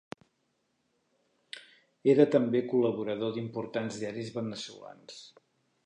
Era també col·laborador d'importants diaris veneçolans.